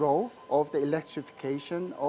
ruang depan elektrifikasi